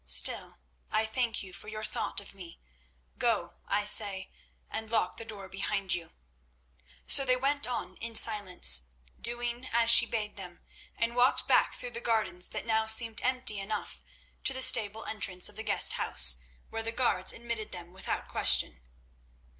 Still, I thank you for your thought of me. Go, I say, and lock the door behind you." So they went in silence, doing as she bade them, and walked back through the gardens, that now seemed empty enough, to the stable entrance of the guest house, where the guards admitted them without question.